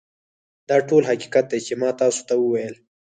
دا ټول حقیقت دی چې ما تاسو ته وویل